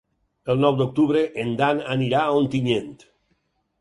El nou d'octubre en Dan anirà a Ontinyent.